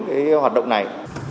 cái hoạt động này